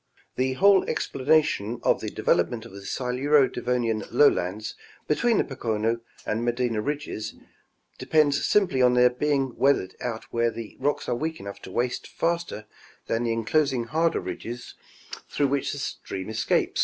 The whole explanation of the development of the Siluro Devonian lowlands between the Pocono and Medina ridges depends simply on their being weathered out where the rocks are weak enough to waste faster than the enclosing harder ridges through which the streams escape.